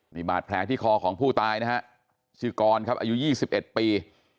นี่บาดแผลที่คอของผู้ตายนะฮะชื่อกรครับอายุ๒๑ปี